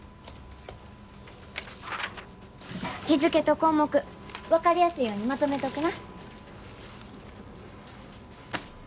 日付と項目分かりやすいようにまとめとくな。